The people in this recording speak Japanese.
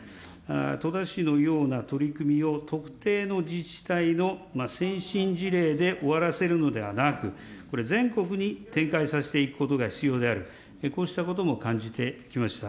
戸田市のような取り組みを、特定の自治体の先進事例で終わらせるのではなく、これ、全国に展開させていくことが必要である、こうしたことも感じてきました。